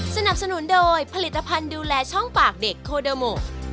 สนับสนุนโดยผลิตภัณฑ์ดูแลช่องปากเด็กโคเดอร์โม